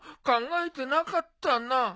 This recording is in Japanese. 考えてなかったな。